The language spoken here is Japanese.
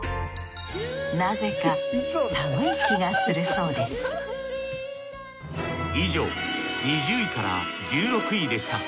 なぜか寒い気がするそうです。